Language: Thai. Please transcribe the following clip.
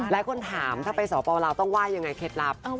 แล้วคนถามถ้าไปสวปราวราวต้องไหว้อย่างไรเคล็ดลับ